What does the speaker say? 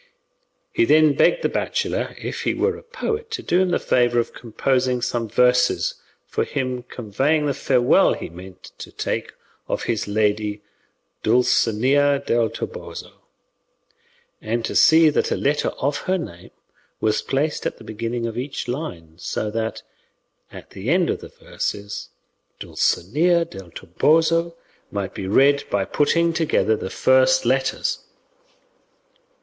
He then begged the bachelor, if he were a poet, to do him the favour of composing some verses for him conveying the farewell he meant to take of his lady Dulcinea del Toboso, and to see that a letter of her name was placed at the beginning of each line, so that, at the end of the verses, "Dulcinea del Toboso" might be read by putting together the first letters.